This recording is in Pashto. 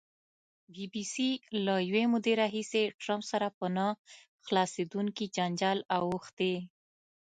بي بي سي له یوې مودې راهیسې ټرمپ سره په نه خلاصېدونکي جنجال اوښتې.